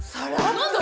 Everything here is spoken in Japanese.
何だ？